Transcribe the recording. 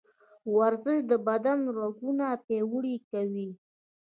ورزش د بدن رګونه پیاوړي کوي.